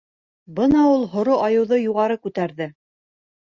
Бына ул һоро айыуҙы юғары күтәрҙе: